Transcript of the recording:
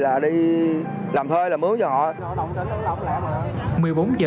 là đi làm thuê là mướn cho họ